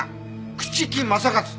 朽木政一